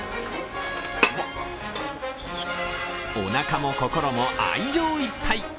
おなかも心も愛情いっぱい。